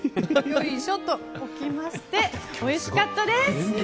よいしょと置きましておいしかったです！